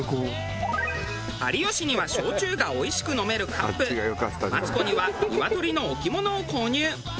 有吉には焼酎がおいしく飲めるカップマツコにはニワトリの置物を購入。